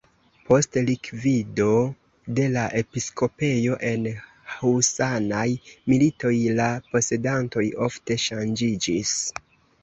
Post likvido de la episkopejo en husanaj militoj la posedantoj ofte ŝanĝiĝis.